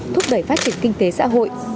thúc đẩy phát triển kinh tế xã hội